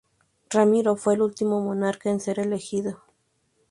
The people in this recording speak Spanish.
Ramiro I fue el último monarca en ser elegido.